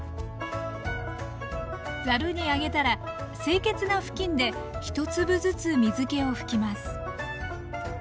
ざるに上げたら清潔な布巾で１粒ずつ水けを拭きます